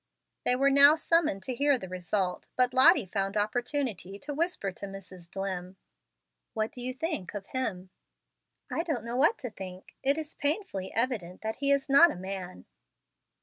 They were now summoned to hear the result, but Lottie found opportunity to whisper to Mrs. Dlimm, "What do you think of him?" "I don't know what to think. It is painfully evident that he is not a man."